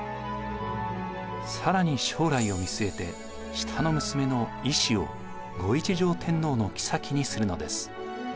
更に将来を見据えて下の娘の威子を後一条天皇の后にするのです。